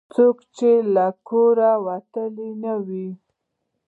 څوک چې له کوره وتلي نه وي.